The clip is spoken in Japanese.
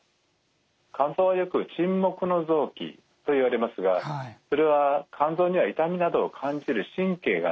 肝臓はよく沈黙の臓器といわれますがそれは肝臓には痛みなどを感じる神経がないからなんですね。